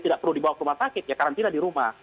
tidak perlu dibawa ke rumah sakit ya karantina di rumah